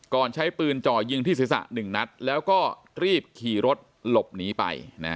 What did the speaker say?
ใช้ปืนจ่อยิงที่ศีรษะ๑นัดแล้วก็รีบขี่รถหลบหนีไป